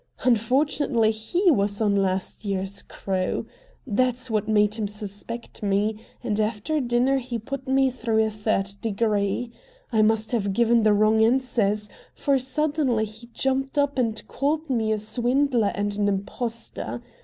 Unfortunately HE was on last year's crew! That's what made him suspect me, and after dinner he put me through a third degree. I must have given the wrong answers, for suddenly he jumped up and called me a swindler and an impostor.